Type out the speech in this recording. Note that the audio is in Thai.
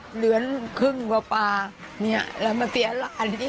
เหรือนครึ่งกว่าป่าเนี่ยแล้วมาเตียนละอันนี้